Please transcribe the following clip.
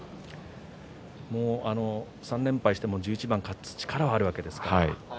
３連敗しても１１番勝つ力はあるわけですから。